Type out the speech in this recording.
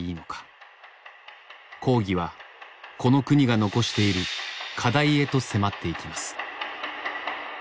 講義はこの国が残している課題へと迫っていきます。